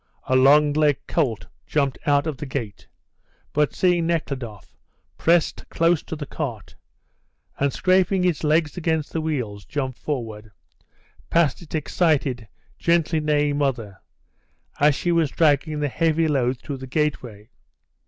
A long legged colt jumped out of the gate; but, seeing Nekhludoff, pressed close to the cart, and scraping its legs against the wheels, jumped forward, past its excited, gently neighing mother, as she was dragging the heavy load through the gateway.